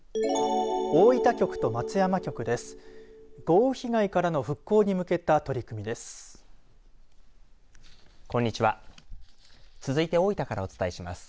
大分局と松山局です。